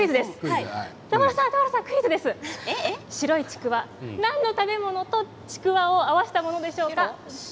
俵さん、白いちくわ何の食べ物とちくわを合わせたものでしょうか。